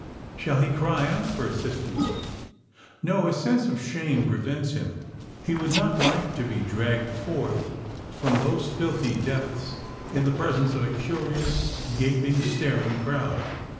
Shall he cry out for assistance? No: a sense of shame prevents him. He would not like to be dragged forth from those filthy depths, in the presence of a curious—gaping—staring crowd.